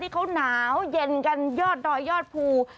เขาหนาวเย็นกันยอดดอยยอดภู